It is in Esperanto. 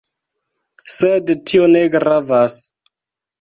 Sed tio ne gravas